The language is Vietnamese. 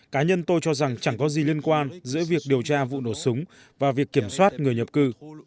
cá nhân tôi cho rằng chẳng có gì liên quan giữa việc điều tra vụ nổ súng và việc kiểm soát người nhập cư